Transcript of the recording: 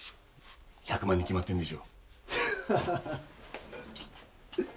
１００万に決まってるでしょ